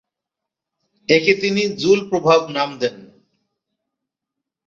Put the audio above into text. একে তিনি জুল প্রভাব নাম দেন।